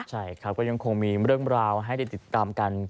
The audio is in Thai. ใช่ครับก็ยังคงมีเรื่องราวให้ได้ติดตามกัน